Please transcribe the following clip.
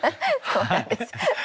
そうなんです。